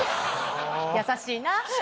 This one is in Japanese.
優しいな。